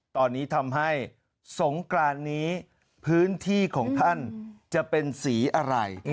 ตอนนี้ทำให้สงกรานนี้พื้นที่ของท่านจะเป็นสีอะไร